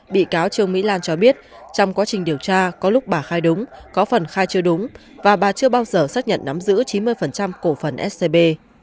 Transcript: bị cáo trương mỹ lan cho biết trong quá trình điều tra có lúc bà khai đúng có phần khai chưa đúng và bà chưa bao giờ xác nhận nắm giữ chín mươi cổ phần scb